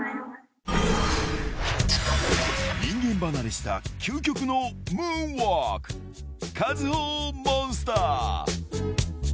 人間離れした究極のムーンウォーク、カズホモンスター。